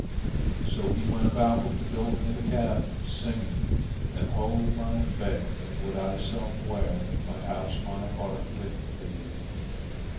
So he went about with the building of the cabin, singing, "And oh, my fair, would I somewhere might house my heart with thee!"